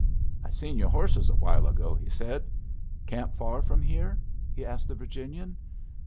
"I seen your horses a while ago," he said. "Camp far from here?" he asked the Virginian.